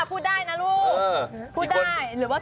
พูดได้นะลูก